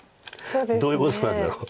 どういうことなんだろう。